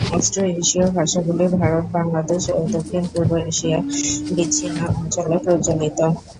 অস্ট্রো-এশীয় ভাষাগুলি ভারত, বাংলাদেশ ও দক্ষিণ-পূর্ব এশিয়ার বিচ্ছিন্ন অঞ্চলে প্রচলিত।